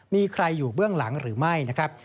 มีใครอยู่เบื้องหลังหรือไม่นะครับ